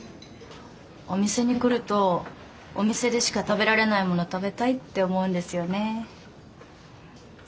お店に来るとお店でしか食べられないもの食べたいって思うんですよね。